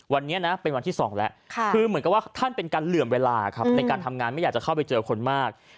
วันนี้นะเป็นวันที่๒แล้วคือเหมือนกับว่าท่านเป็นการเหลื่อมเวลาครับในการทำงานไม่อยากจะเข้าไปเจอคนมาก